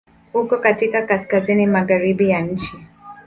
Uko katika kaskazini-magharibi ya nchi.